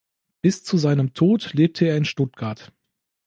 Bis zu seinem Tod lebte er in Stuttgart.